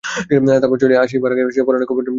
তারপর চলিয়া আসিবার আগে সে পরানের খবর জানিতে চাহিল।